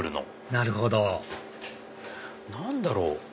なるほど何だろう？